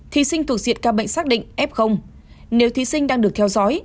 thí sinh thuộc diện ca bệnh xác định f nếu thí sinh đang được theo dõi